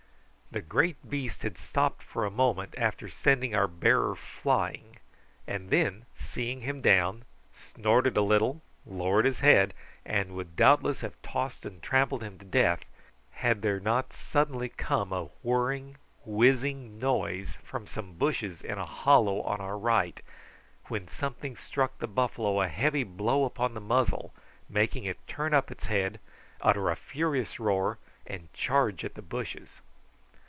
The great beast had stopped for a moment after sending our bearer flying, and then, seeing him down, snorted a little, lowered his head, and would doubtless have tossed and trampled him to death had there not suddenly come a whirring whizzing noise from some bushes in a hollow on our right, when something struck the buffalo a heavy blow upon the muzzle, making it turn up its head, utter a furious roar, and charge at the bushes.